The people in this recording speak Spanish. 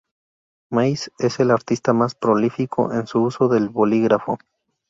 Mace es el artista más prolífico en su uso del bolígrafo.